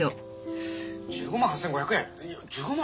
１５万８，５００円１５万！？